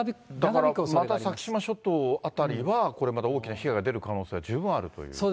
だからまた先島諸島辺りは、これまた大きな被害が出る可能性が十分あるという。